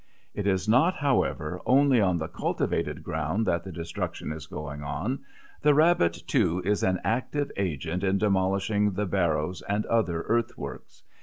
It is not, however, only on the cultivated ground that the destruction is going on; the rabbit, too, is an active agent in demolishing the barrows and other earth works.